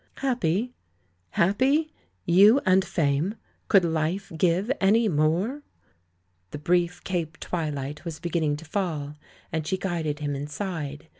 ;;Happy?" " 'Happy' ? You, and Fame ! Could life give any more?" The brief Cape tv/ilight was beginning to fall, and she guided him inside.